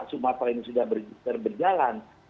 sumatera ini sudah berjalan